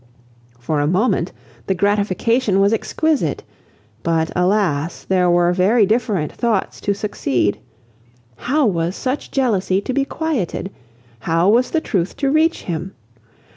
For a moment the gratification was exquisite. But, alas! there were very different thoughts to succeed. How was such jealousy to be quieted? How was the truth to reach him?